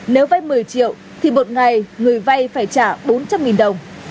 nếu vay một mươi triệu thì một ngày người vay phải trả bốn trăm linh đồng